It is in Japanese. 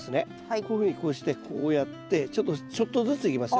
こういうふうにこうしてこうやってちょっとずついきますよ。